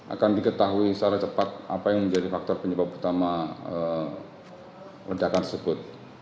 akan diketahui secara cepat apa yang menjadi faktor penyebab utama ledakan tersebut